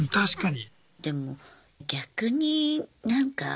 確かに。